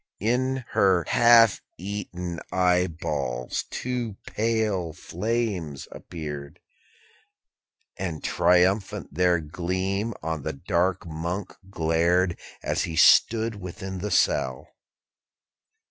In her half eaten eyeballs two pale flames appeared, And triumphant their gleam on the dark Monk glared, As he stood within the cell.